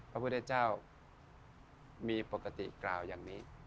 พระพุทธเจ้ามีปกติกล่าวอย่างนี้